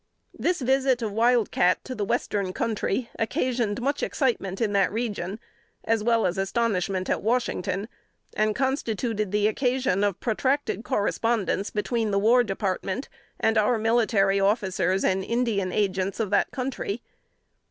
This visit of Wild Cat to the Western Country occasioned much excitement in that region, as well as astonishment at Washington, and constituted the occasion of a protracted correspondence between the War Department and our Military Officers and Indian Agents of that country.